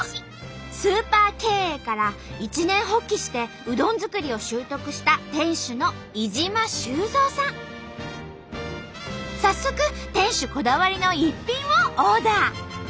スーパー経営から一念発起してうどん作りを習得した早速店主こだわりの一品をオーダー。